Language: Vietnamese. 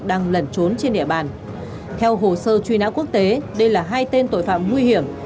đang lẩn trốn trên địa bàn theo hồ sơ truy nã quốc tế đây là hai tên tội phạm nguy hiểm